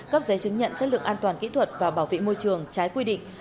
cấp giấy chứng nhận chất lượng an toàn kỹ thuật và bảo vệ môi trường trái quy định